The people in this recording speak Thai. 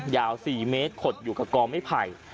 ยาว๔เมตรขดอยู่กับกองไม้ไผ่